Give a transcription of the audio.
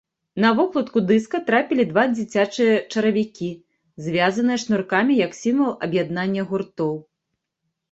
На вокладку дыска трапілі два дзіцячыя чаравікі, звязаныя шнуркамі як сімвал аб'яднання гуртоў.